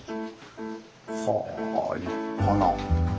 はあ立派な。